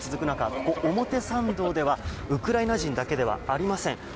ここ表参道ではウクライナ人だけではありません。